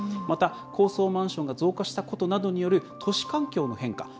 また、高層マンションが増加したことなどによる都市環境の変化。